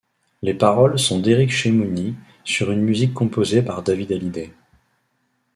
Les paroles sont d'Éric Chemouny sur une musique composée par David Hallyday.